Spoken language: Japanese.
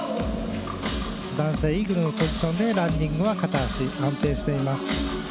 男性はイーグルのポジションでランディングは片足安定しています。